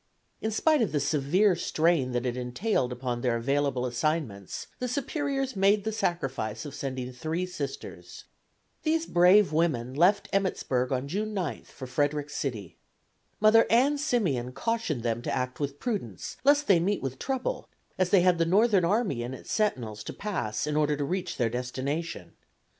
In spite of the severe strain that it entailed upon their available assignments, the Superiors made the sacrifice of sending three Sisters. These brave women left Emmittsburg on June 9 for Frederick City. Mother Ann Simeon cautioned them to act with prudence, lest they meet with trouble, as they had the Northern Army and its sentinels to pass in order to reach their destination.